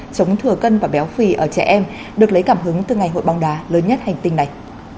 chống thừa cân và béo phì ở trẻ em được lấy cảm hứng từ ngày hội bóng đá lớn nhất hành tinh này